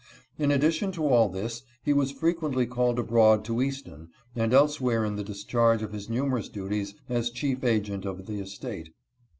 In addition to all this he was frequently called abroad to Easton and elsewhere in the discharge of his numerous duties as chief agent of the estate.